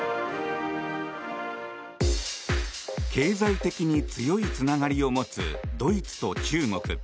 経済的に強いつながりを持つドイツと中国。